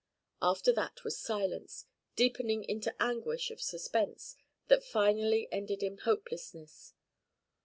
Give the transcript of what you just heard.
After that was silence, deepening into anguish of suspense that finally ended in hopelessness.